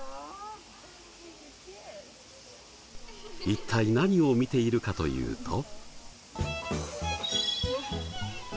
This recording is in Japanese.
一体何を見ているかというと。